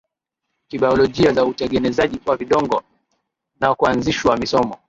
kibiolojia za utengenezaji wa vidonge na kuanzishwa misombo